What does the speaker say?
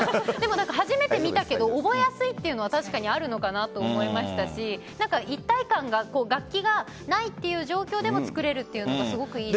初めて見たけど覚えやすいというのは確かにあるのかなと思いましたし一体感が、楽器がないという状況でもつくれるというのがすごいです。